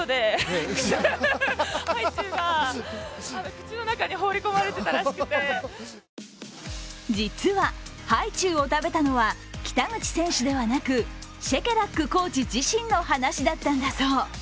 その真相を聞いてみると実は、ハイチュウを食べたのは北口選手ではなくシェケラックコーチ自身の話だったんだそう。